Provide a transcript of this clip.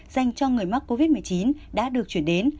dành cho người mắc covid một mươi chín đã được chuyển đến